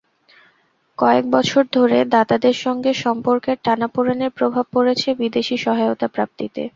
কয়েক বছর ধরে দাতাদের সঙ্গে সম্পর্কের টানাপোড়েনের প্রভাব পড়েছে বিদেশি সহায়তা প্রাপ্তিতে।